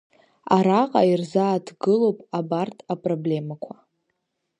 Араҟа ирзааҭгылоуп абарҭ апроблемақәа…